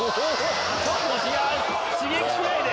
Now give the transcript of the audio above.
刺激しないで。